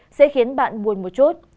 những câu thơ này sẽ khiến bạn buồn một chút